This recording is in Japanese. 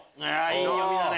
いい読みだね！